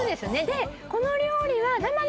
でこの料理は。